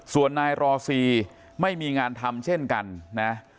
ส่วนนายรอซีไม่มีงานทำเช่นกันนะ